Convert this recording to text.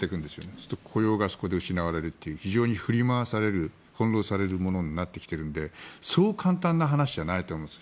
そうすると雇用がそこで失われるという非常に翻ろうされるものになってきているのでそう簡単な話じゃないと思います